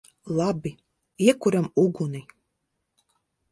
Labi. Iekuram uguni!